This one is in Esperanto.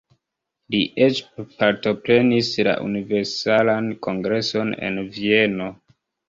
Li eĉ partoprenis la Universalan Kongreson en Vieno.